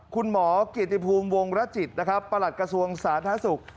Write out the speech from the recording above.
คุณหมอเกียรติภูมิวงรจิตประหลัดกระทรวงศาลท้าศุกร์